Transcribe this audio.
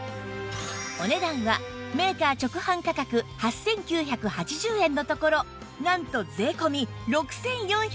お値段はメーカー直販価格８９８０円のところなんと税込６４８０円